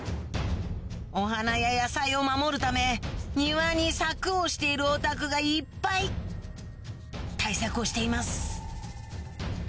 お花や野菜を守るため庭に柵をしているお宅がいっぱい対策をしています